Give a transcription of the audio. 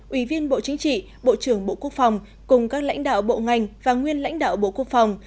ủy viên bộ chính trị bộ trưởng bộ quốc phòng cùng các lãnh đạo bộ ngành và nguyên lãnh đạo bộ quốc phòng